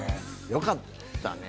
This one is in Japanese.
よかったね